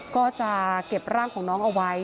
ก็จะเก็บร่างของน้องเอาไว้